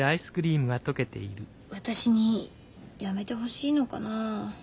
私に辞めてほしいのかな。